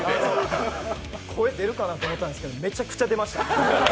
声、出るかなと思ったんですけど、めちゃくちゃ出ました。